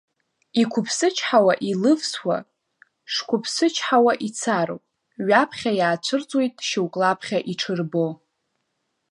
Иқәыԥсычҳауа илывсуа, шқәыԥсычҳауа ицароуп, ҩаԥхьа иаацәырҵуеит шьоук лаԥхьа иҽырбо.